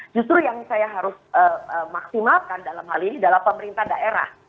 justru yang saya harus maksimalkan dalam hal ini adalah pemerintah daerah